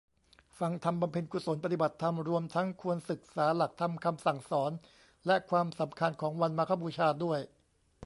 ฟังธรรม บำเพ็ญกุศล ปฏิบัติธรรม รวมทั้งควรศึกษาหลักธรรมคำสั่งสอน และความสำคัญของวันมาฆบูชาด้วย